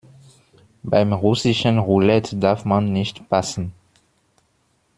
Beim russischen Roulette darf man nicht passen.